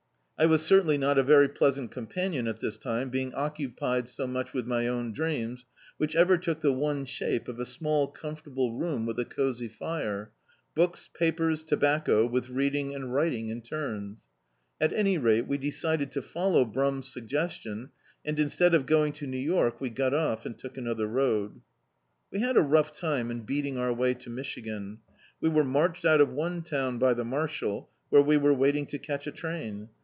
I was certainly not a very pleasant axnpanion at this time, being occupied so much with my own dreams, which ever took the one shape of a small ccwnforu ble room with a cosy fire; books, papers, tobaco), with reading and writing in turns. At any rate, we decided to follow Brum's suggestion, and, in stead of going to New York, we got off, and took an other road. We had a rou^ rime in beating our way to Michi gan. We were marched out of one town by the mar^al, where we were waiting to catch a train.